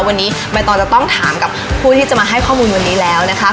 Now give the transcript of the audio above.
วันนี้ใบตองจะต้องถามกับผู้ที่จะมาให้ข้อมูลวันนี้แล้วนะคะ